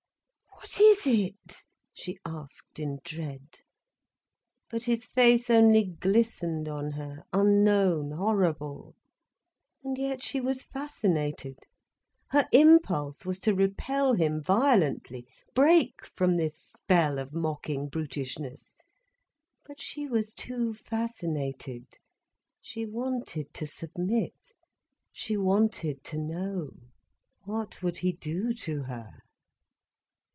"What is it?" she asked in dread. But his face only glistened on her, unknown, horrible. And yet she was fascinated. Her impulse was to repel him violently, break from this spell of mocking brutishness. But she was too fascinated, she wanted to submit, she wanted to know. What would he do to her?